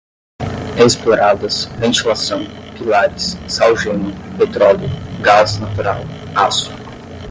exploradas, ventilação, pilares, sal-gema, petróleo, gás natural, aço